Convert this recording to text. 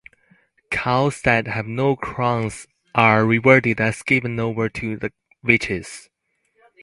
Cows that have no crowns are regarded as given over to the witches.